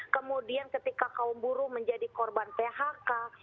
kemudian ketika kaum buruh menjadi korban phk